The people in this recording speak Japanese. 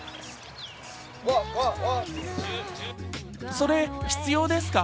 それ、必要ですか？